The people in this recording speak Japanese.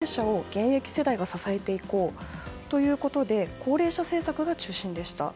今までは高齢者を現役世代が支えていこうということで高齢者政策が中心でした。